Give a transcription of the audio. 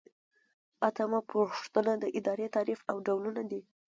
اتمه پوښتنه د ادارې تعریف او ډولونه دي.